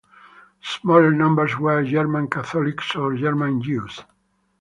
Smaller numbers were German Catholics or German Jews.